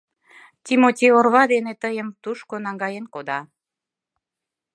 Тимоти орва дене тыйым тушко наҥгаен кода.